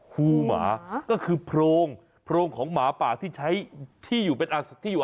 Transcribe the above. อ๋อฮู้หมาก็คือโพรงโพรงของหมาป่าที่ใช้ที่อยู่อาศัย